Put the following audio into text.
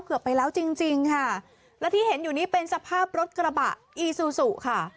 เกือบไปแล้วจริงจริงค่ะและที่เห็นอยู่นี้เป็นสภาพรถกระบะอีซูซูค่ะ